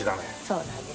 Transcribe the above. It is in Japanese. そうなんです。